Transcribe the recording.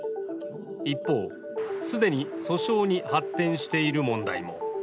一方、既に訴訟に発展している問題も。